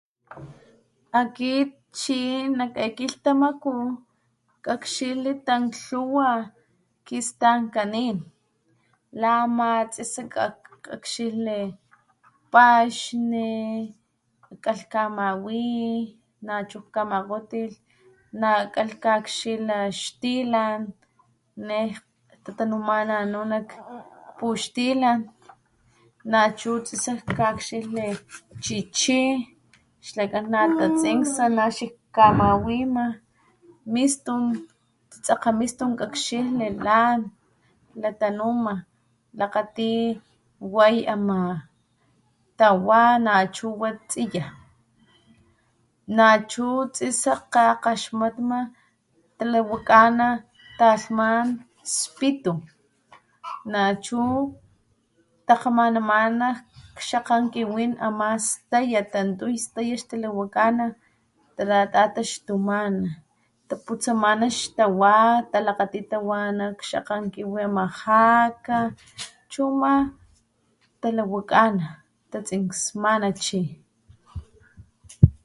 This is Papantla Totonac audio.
Akit chi nak e kilhtamakú kakxilhli tanlhuwa kistankanín la ama tsisa kakxilhli paxni kalh kamawi nachu Jkamakgotilh nakalh kakxila xtilan ne ta'tanuma anu nak puxtilan nachu tsisa kakxilhli chíchí xlakan natasinksa xak jkamawima mistun tsitsekga mistun kakxilhli lan latanuma lakgati way ama tawa nachu wa tsiya, nachu tsisa jka'kgaxkgaxmatma talawakana talhman spitu, nachu takgamanamana x'akgan kiwin ama staya tantuy staya talatataxtumana taputsamana xtawa talakgati tawa xakgan kiwi la ama jaka chuma talawakana tatsinksmana chi.